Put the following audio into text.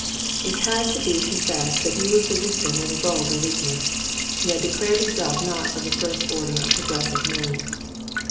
It had to be confessed that he was the victim of a vulgar weakness. He had declared himself not of the first order of progressive men.